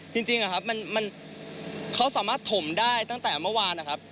จริงเขาสามารถถมได้ตั้งแต่เมื่อวาน